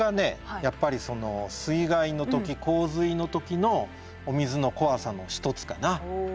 やっぱり水害の時洪水の時のお水の怖さの一つかな。